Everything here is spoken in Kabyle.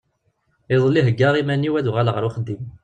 Iḍelli heggeɣ iman-is ad uɣaleɣ ar uxeddim.